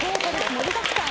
盛りだくさん。